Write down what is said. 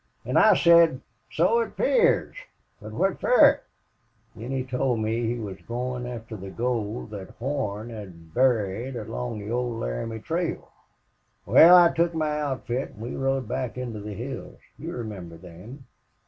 An' I said, 'So it 'pears, but what fer?' Then he told me he was goin' after the gold thet Horn had buried along the old Laramie Trail. Wal, I took my outfit, an' we rode back into the hills. You remember them.